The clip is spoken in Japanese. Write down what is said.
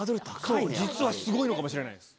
実はスゴいのかもしれないです